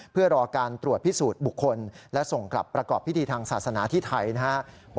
เพื่อรอการตรวจพิสูจน์บุคคลและส่งกลับประกอบพิธีทางศาสนาที่ไทยนะครับ